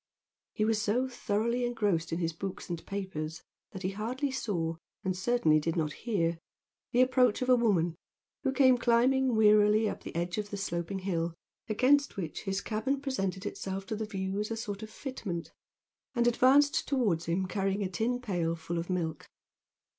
He was so thoroughly engrossed in his books and papers that he hardly saw, and certainly did not hear, the approach of a woman who came climbing wearily up the edge of the sloping hill against which his cabin presented itself to the view as a sort of fitment, and advanced towards him carrying a tin pail full of milk.